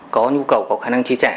có nhu cầu có khả năng chia trả